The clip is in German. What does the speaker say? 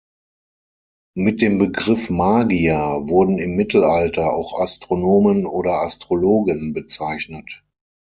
Mit dem Begriff „Magier“ wurden im Mittelalter auch Astronomen oder Astrologen bezeichnet.